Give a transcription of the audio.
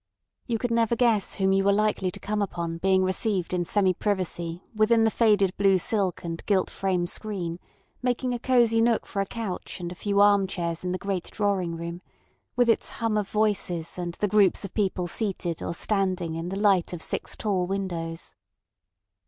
You never could guess whom you were likely to come upon being received in semi privacy within the faded blue silk and gilt frame screen, making a cosy nook for a couch and a few arm chairs in the great drawing room, with its hum of voices and the groups of people seated or standing in the light of six tall windows.